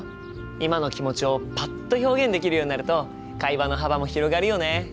今の気持ちをパッと表現できるようになると会話の幅も広がるよね。